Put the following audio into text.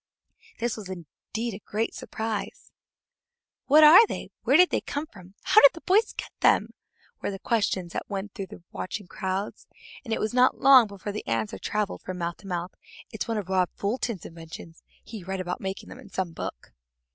This was indeed a great surprise. "What are they? Where did they come from? How did the boys get them?" were the questions that went through the watching crowds, and it was not long before the answer traveled from mouth to mouth: "It's one of Rob Fulton's inventions. He read about making them in some book."